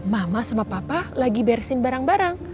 mama sama papa lagi beresin barang barang